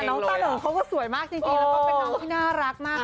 ตาเหลือเขาก็สวยมากจริงแล้วก็เป็นน้องที่น่ารักมาก